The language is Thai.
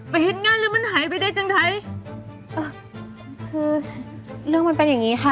เห็นงานแล้วมันหายไปได้จังใดอ่ะคือเรื่องมันเป็นอย่างงี้ค่ะ